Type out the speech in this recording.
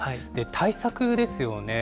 対策ですよね。